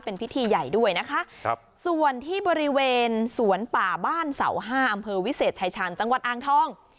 เป็นพิธีใหญ่ด้วยนะคะครับส่วนที่บริเวณสวนป่าบ้านเสาห้าอำเภอวิเศษชายชาญจังหวัดอ่างทอง